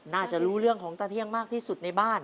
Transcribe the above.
น่าจะรู้เรื่องของตาเที่ยงมากที่สุดในบ้าน